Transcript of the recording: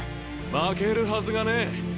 負けるはずがねえ！